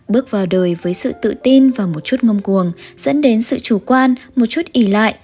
bước vào đời với sự tự tin vào một chút ngông cuồng dẫn đến sự chủ quan một chút ý lại